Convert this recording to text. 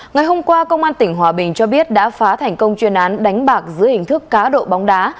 ngày hôm qua công an tỉnh hòa bình cho biết đã phá thành công chuyên án đánh bạc dưới hình thức cá độ bóng đá